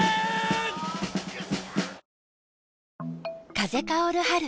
風薫る春。